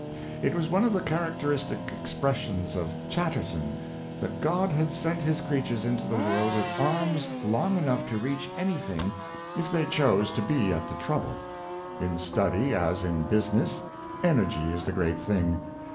It was one of the characteristic ex pressions of Chatterton, that God had sent his creatures into the world with arms long enough to reach any thing if they chose to be at the trouble. In study, as in business, energy is the great thing.